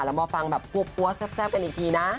แล้วมาฟังแบบปั๊วแซ่บกันอีกทีนะ